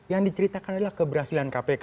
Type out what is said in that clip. yang diceritakan adalah keberhasilan kpk